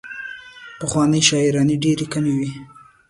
پخوانۍ شاعرانې ډېرې کمې وې.